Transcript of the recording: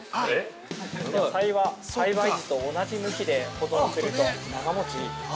野菜は栽培時と同じ向きで保存すると長もちします。